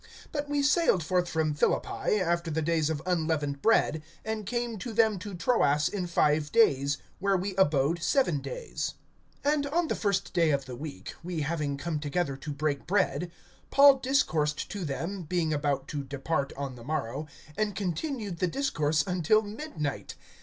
(6)But we sailed forth from Philippi, after the days of unleavened bread, and came to them to Troas in five days; where we abode seven days. (7)And on the first day of the week, we having come together to break bread, Paul discoursed to them (being about to depart on the morrow), and continued the discourse until midnight.